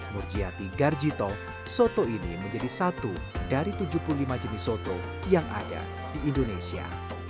murjiati garjito soto ini menjadi satu dari tujuh puluh lima jenis soto yang ada di indonesia